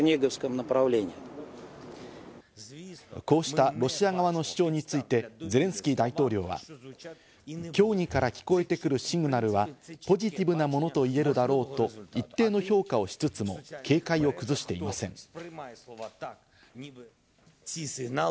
こうしたロシア側の主張についてゼレンスキー大統領は協議から聞こえてくるシグナルはポジティブなものといえるだろうと、一定の評価をしつつも警戒を崩していません。